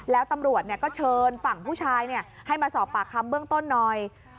แล้วตำรวจก็เชิญฝั่งผู้ชายให้มาสอบปากคำเบื้องต้นหน่อย